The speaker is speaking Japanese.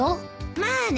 まあね。